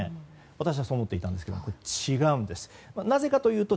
私はそう思っていたんですが違うんです。